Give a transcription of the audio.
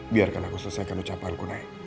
biarkan aku selesaikan ucapanku naik